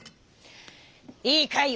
「いいかい？